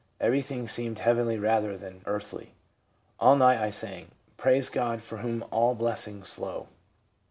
Every thing seemed heavenly rather than earthly. All night I sang, " Praise God from whom all blessings flow."